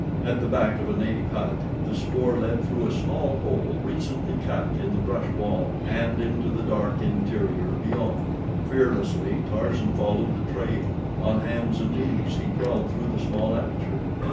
At the back of a native hut the spoor led through a small hole recently cut in the brush wall and into the dark interior beyond. Fearlessly, Tarzan followed the trail. On hands and knees, he crawled through the small aperture.